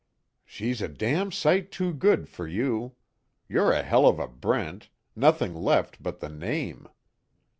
"She's a damn sight too good for you! You're a hell of a Brent nothing left but the name!